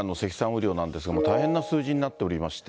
雨量なんですが、大変な数字になっておりまして。